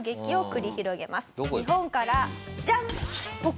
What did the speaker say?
日本からジャン！